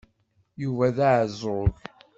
Yuba d aεeẓẓug.